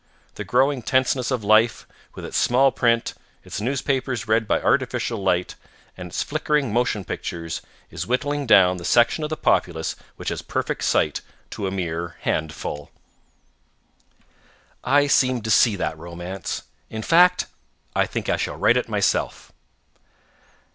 The growing tenseness of life, with its small print, its newspapers read by artificial light, and its flickering motion pictures, is whittling down the section of the populace which has perfect sight to a mere handful. I seem to see that romance. In fact, I think I shall write it myself.